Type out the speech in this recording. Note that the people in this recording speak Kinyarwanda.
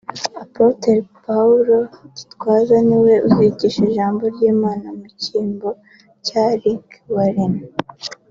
Apotre Paul Gitwaza niwe uzigisha ijambo ry'Imana mu cyimbo cya Rick Warren